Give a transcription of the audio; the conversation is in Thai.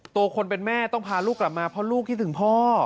ตัวคนเป็นแม่ต้องพาลูกกลับมาเพราะลูกคิดถึงพ่อ